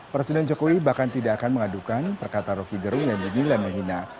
presiden jokowi bahkan tidak akan mengadukan perkata rocky gerung yang dinilai menghina